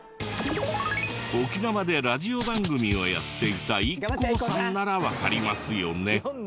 沖縄でラジオ番組をやっていたＩＫＫＯさんならわかりますよね？